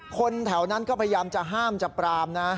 คนแถวนั้นก็พยายามจะห้ามจะปรามนะ